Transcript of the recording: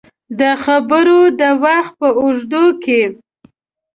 د خبرو د وخت په اوږدو کې